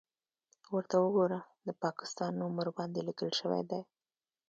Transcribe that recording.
_ورته وګوره! د پاکستان نوم ورباندې ليکل شوی دی.